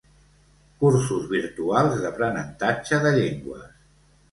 Cursos virtuals d'aprenentatge de llengües.